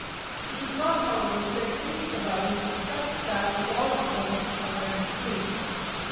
It does not however say anything about it except that the laws of motion are then true.